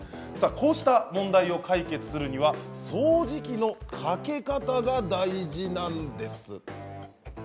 こうした問題を解決するには掃除機のかけ方が大事なんです。